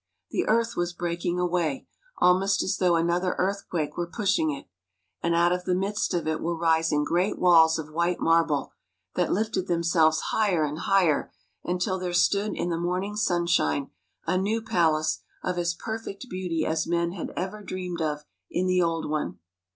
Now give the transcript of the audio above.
The earth was breaking away, almost as though another earthquake were pushing it, and out of the midst of it were rising great walls of white marble, that lifted themselves higher and higher, until there stood in the morning sunshine a new palace of as perfect beauty as men had ever dreamed of in the THE PALACE MADE BY MUSIC old one.